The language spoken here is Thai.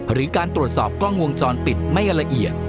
หรือการตรวจสอบกล้องวงจรปิดไม่ละเอียด